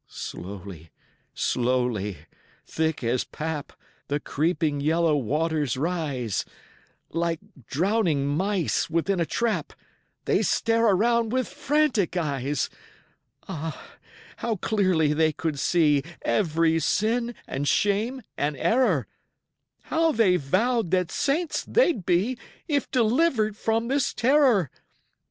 Slowly, slowly, thick as pap, The creeping yellow waters rise; Like drowning mice within a trap, They stare around with frantic eyes. Ah, how clearly they could see Every sin and shame and error! How they vowed that saints they'd be, If delivered from this terror!